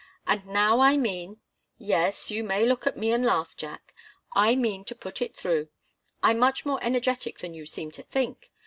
And now I mean yes, you may look at me and laugh, Jack I mean to put it through. I'm much more energetic than you seem to think.